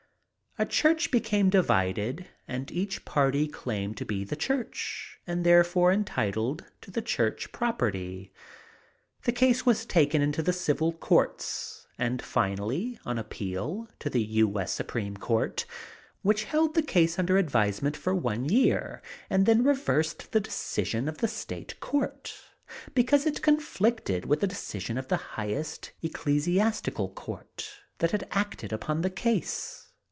A church became divided and each party claimed to be the church, and therefore entitled to the church property. The case was taken into the civil courts, and finally, on appeal, to the U. S. Supreme Court, which held the case under advisement for one year, and then reversed the decision of the State Court, because it conflicted with the decision of the highest ecclesiastical court that had acted upon the case.